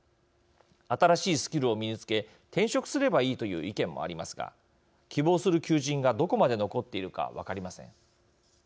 新しいスキルを身につけ転職すればいいという意見もありますが希望する求人がどこまで残っているか分かりません。